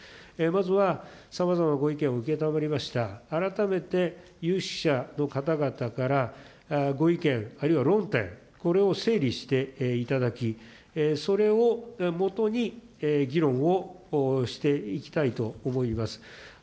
まずは、さまざまなご意見を承りました、改めて有識者の方々からご意見、あるいは論点、これを整理していただき、それを基に議論をしていきたいと思います。